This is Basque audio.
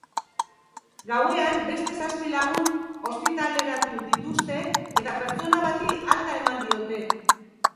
Gauean beste zazpi lagun ospitaleratu dituzte eta pertsona bati alta eman diote.